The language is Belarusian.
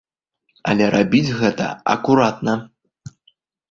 Але рабіць гэта акуратна.